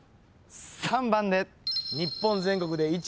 ３番で。